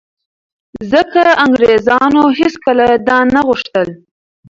ځکه انګرېزانو هېڅکله دا نه غوښتل